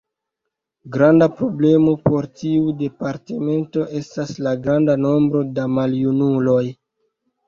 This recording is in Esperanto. Granda problemo por tiu departemento estas la granda nombro da maljunuloj.